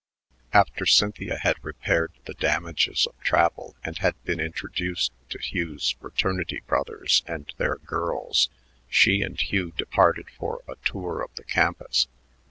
After Cynthia had repaired the damages of travel and had been introduced to Hugh's fraternity brothers and their girls, she and Hugh departed for a tour of the campus.